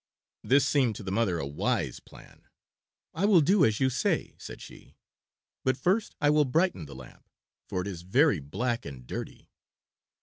This seemed to the mother a wise plan. "I will do as you say," said she, "but first I will brighten the lamp, for it is very black and dirty."